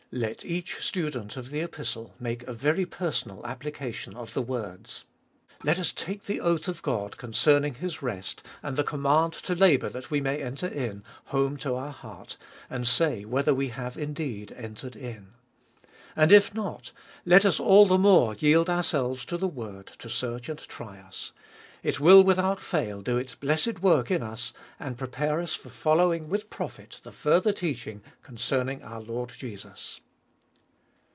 Let each student of the Epistle make a very personal application of the words. Let us take the oath of God concerning His rest, and the command to labour that we may enter in, home to our heart, and say whether we have indeed entered in. And if not, let us all the more yield ourselves to the word to search and try us : it will without fail do its blessed work in us, and prepare us for 160 Cbe fjolfest of ail following with profit the further teaching concerning our Lord Jesus.